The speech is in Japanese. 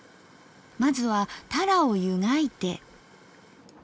まずはタラを湯がいて。